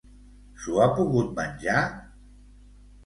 S'ho ha pogut menjar?